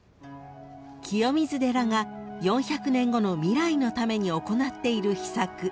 ［清水寺が４００年後の未来のために行っている秘策］